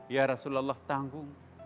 ya rasulullah tanggung